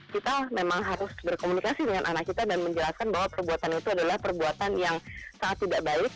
kita memang harus berkomunikasi dengan anak kita dan menjelaskan bahwa perbuatan itu adalah perbuatan yang sangat tidak baik